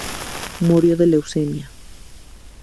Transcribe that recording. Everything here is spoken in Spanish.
Murió de leucemia.